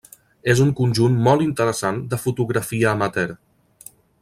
És un conjunt molt interessant de fotografia amateur.